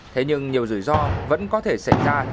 thế nhưng nhiều rủi ro vẫn có thể xảy ra